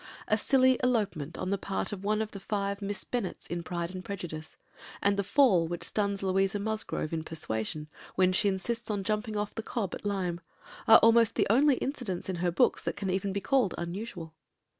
A silly elopement on the part of one of the five Miss Bennets in Pride and Prejudice, and the fall which stuns Louisa Musgrove in Persuasion, when she insists on jumping off the cob at Lyme, are almost the only incidents in her books that can even be called unusual.